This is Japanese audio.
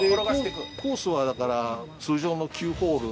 コースはだから通常の９ホール。